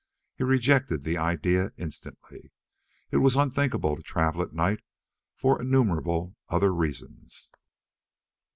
He rejected the idea instantly. It was unthinkable to travel at night for innumerable other reasons.